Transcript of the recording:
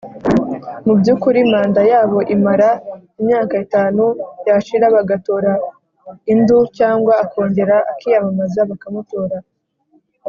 mu byukuri Manda yabo imara imyaka itanu yashira bagatora indu cyangwa akongera akiyamamaza bakamutora